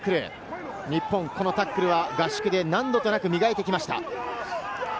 日本、このタックルは合宿で何度となく磨いてきました。